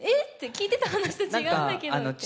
聞いてた話と違うんだけどってなって。